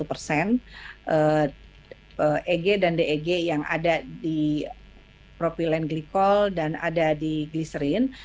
eg dan deg yang ada di propylen glikol dan ada di gliserin